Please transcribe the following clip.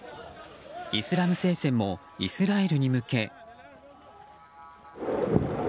イスラム聖戦もイスラエルに向け。